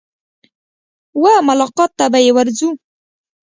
وه ملاقات ته به يې ورځو.